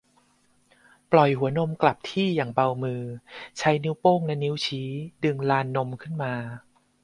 ปล่อยหัวนมกลับที่อย่างเบามือ ใช้นิ้วโป้งและนิ้วชี้ดึงลานนมขึ้นมา